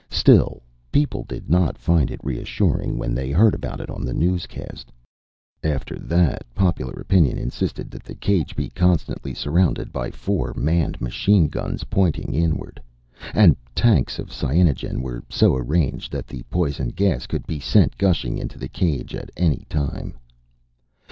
Still, people did not find it reassuring when they heard about it on the newscast. After that, popular opinion insisted that the cage be constantly surrounded by four manned machine guns pointing inward. And tanks of cyanogen were so arranged that the poison gas could be sent gushing into the cage at any time.